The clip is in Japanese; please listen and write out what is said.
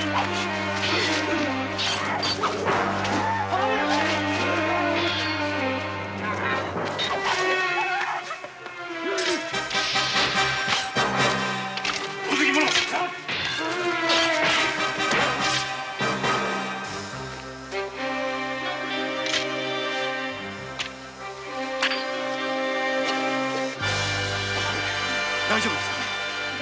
母上大丈夫ですか？